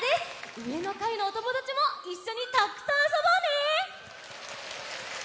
うえのかいのおともだちもいっしょにたっくさんあそぼうね！